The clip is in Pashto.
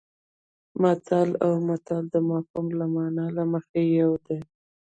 متل او مثل د مفهوم او مانا له مخې یو دي